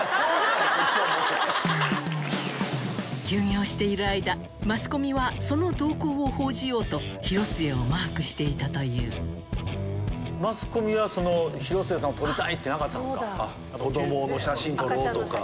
休業している間マスコミはその動向を報じようと広末をマークしていたという撮ろうとか。